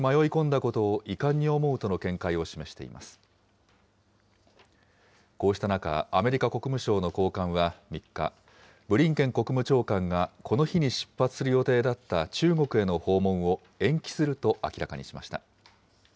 こうした中、アメリカ国務省の高官は３日、ブリンケン国務長官がこの日に出発する予定だった中国への訪問を延期すると明らかにしました。